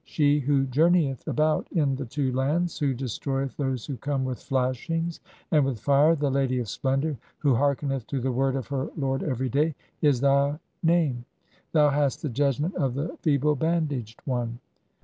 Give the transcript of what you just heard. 'She who journeyeth about in the two lands ; who "destroyeth those who come with flashings and with fire, the "lady of splendour ; who hearkeneth to the word of her lord "every day', is thy name. Thou hast the (46) judgment of the "feeble bandaged one."